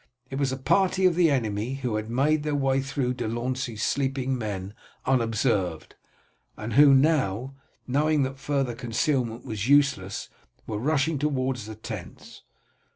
It was a party of the enemy who had made their way through De Launey's sleeping men unobserved, and who now, knowing that further concealment was useless, were rushing forward towards the tents.